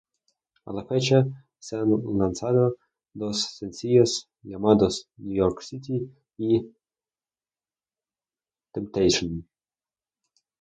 A la fecha se han lanzado dos sencillos llamados "New York City" y "Temptation".